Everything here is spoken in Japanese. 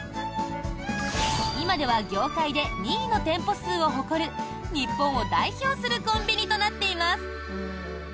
今では業界で２位の店舗数を誇る日本を代表するコンビニとなっています。